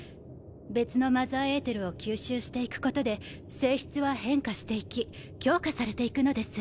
別のマザーエーテルを吸収していくことで「性質」は変化していき強化されていくのです。